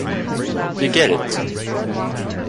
Do you get it?